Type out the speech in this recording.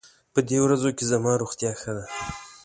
په دې ورځو کې زما روغتيا ښه ده.